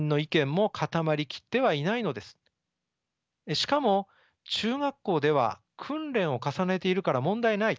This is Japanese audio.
しかも「中学校では訓練を重ねているから問題ない」。